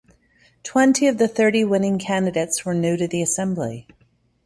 Twenty of the thirty winning candidates were new to the Assembly.